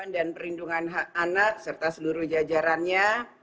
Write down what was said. dan perlindungan anak serta seluruh jajarannya